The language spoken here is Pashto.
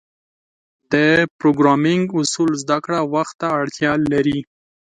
د پروګرامینګ اصول زدهکړه وخت ته اړتیا لري.